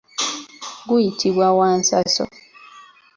Guyitibwa wansanso.